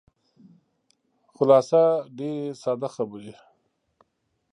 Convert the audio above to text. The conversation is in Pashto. خلاصه ډېرې ساده خبرې.